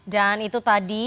dan itu tadi